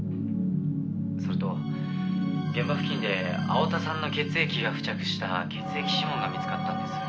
「それと現場付近で青田さんの血液が付着した血液指紋が見つかったんです」